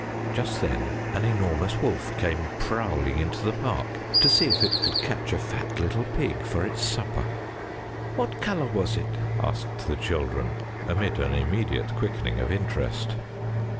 Just then an enormous wolf came prowling into the park to see if it could catch a fat little pig for its supper." "What colour was it?" asked the children, amid an immediate quickening of interest.